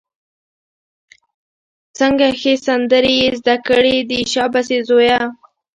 څنګه ښې سندرې یې زده کړې دي، شابسي زویه!